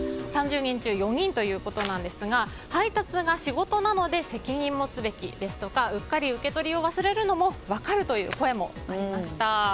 ３０人中４人ということですが配達が仕事なので責任を持つべきとかうっかり受け取りを忘れるのも分かるという声もありました。